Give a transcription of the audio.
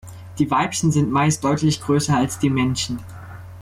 Die Weibchen sind meist deutlich größer als die Männchen.